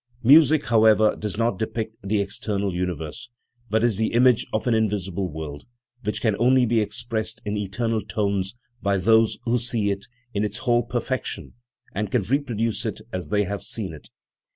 Music, however, does not depict the external universe, but is the image of an invisible world, which can only be expressed in eternal tones by those who see it in its whole perfection and can reproduce it as they have seen it.